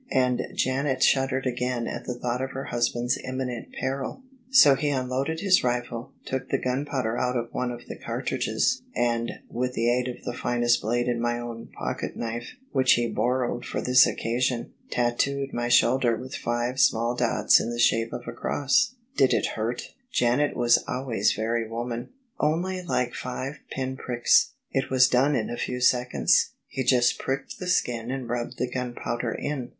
And Janet shuddered again at the thought of her husband's imminent peril, THE SUBJECTION " So he unloaded his rifle, took the gunpowder out of one of the cartridges, and — ^with the aid of the finest blade in my own pocket knife, which he borrowed for the occasion — tattooed my shoulder with five small dots in the shape of a cross." " Did it hurt? " Janet was always very woman. " Only like five pin pricks; it was done in a few seconds. He just pricked the skin and rubbed the gunpowder in.